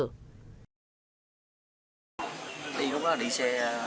đi lúc đó đi xe